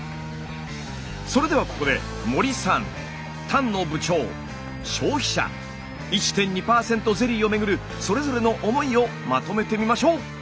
それではここで森さん丹野部長消費者１．２％ゼリーを巡るそれぞれの思いをまとめてみましょう。